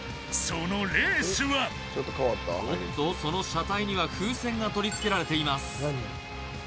そのレースはおっとその車体には風船が取り付けられています